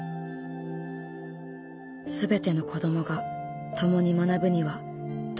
全ての子どもが共に学ぶにはどうしたらいいのか。